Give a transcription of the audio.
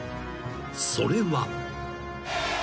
［それは］